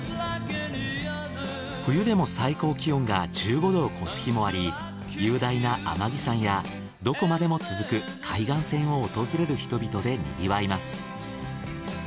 冬でも最高気温が１５℃を超す日もあり雄大な天城山やどこまでも続く海岸線を訪れる人々でにぎわいます。